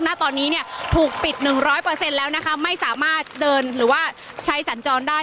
ณตอนนี้เนี่ยถูกปิด๑๐๐แล้วนะคะไม่สามารถเดินหรือว่าใช้สัญจรได้